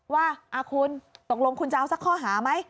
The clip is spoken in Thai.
ว่าต้องลงจะเอาสักข้อหาไหม